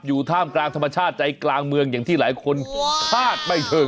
ท่ามกลางธรรมชาติใจกลางเมืองอย่างที่หลายคนคาดไม่ถึง